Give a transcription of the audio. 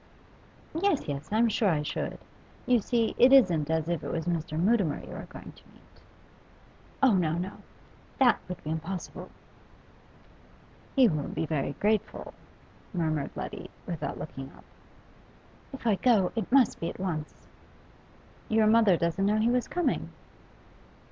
'Yes, yes, I'm sure I should. You see, it isn't as if it was Mr. Mutimer you were going to meet.' 'Oh, no, no That would be impossible.' 'He will be very grateful,' murmured Letty, without looking up. 'If I go, it must be at once.' 'Your mother doesn't know he was coming?